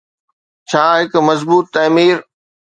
ڇا هڪ مضبوط تعمير.